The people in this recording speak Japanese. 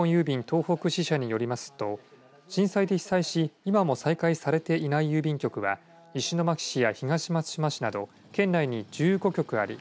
東北支社によりますと震災で被災し今も再開されていない郵便局は石巻市や東松島市など県内に１５局あり